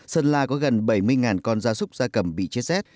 sơn la có gần bảy mươi con da súc da cầm bị chết rét